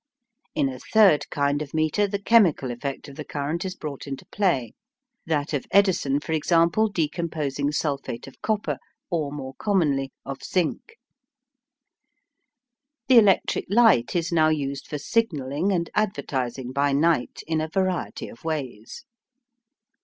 In a third kind of meter the chemical effect of the current is brought into play that of Edison, for example, decomposing sulphate of copper, or more commonly of zinc. The electric light is now used for signalling and advertising by night in a variety of ways.